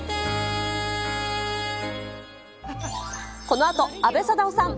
このあと、阿部サダヲさん、